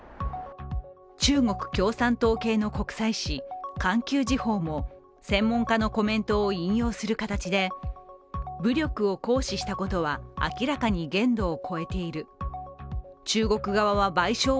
中国共産党系の国際紙「環球時報」も専門家のコメントを引用する形で、武力を行使したことは明らかに限度を超えている中国側は賠償を